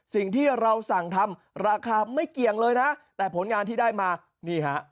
สิ่งที่เราสั่งทำราคาไม่เกี่ยงเลยนะแต่ผลงานที่ได้มานี่ฮะ